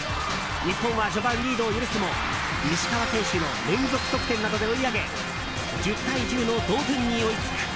日本は序盤リードを許すも石川選手の連続得点などで追い上げ１０対１０の同点に追いつく。